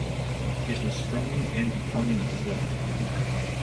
It was strongly anti-communist as well.